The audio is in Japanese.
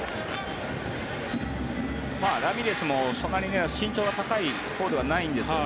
ラミレスもそんなに身長が高いほうではないんですね。